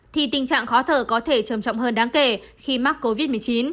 thì tình trạng khó thở có thể trầm trọng hơn đáng kể khi mắc covid một mươi chín